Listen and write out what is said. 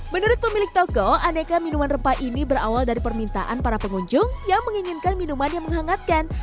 menurut pemilik toko aneka minuman rempah ini berawal dari permintaan para pengunjung yang menginginkan minuman yang menghangatkan